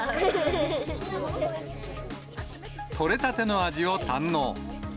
取れたての味を堪能。